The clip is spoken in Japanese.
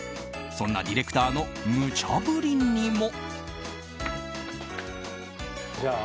そんなディレクターのむちゃ振りにも。